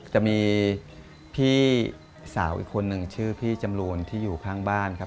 จะมีพี่สาวอีกคนหนึ่งชื่อพี่จำรูนที่อยู่ข้างบ้านครับ